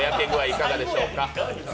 いかがでしょうか。